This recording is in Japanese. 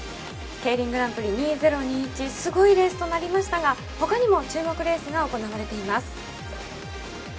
ＫＥＩＲＩＮグランプリ２０２１、すごいレースとなりましたが、他にも注目レースが行われています。